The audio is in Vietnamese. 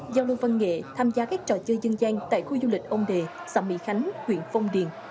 giao lưu văn nghệ tham gia các trò chơi dân gian tại khu du lịch ông đề xã mỹ khánh huyện phong điền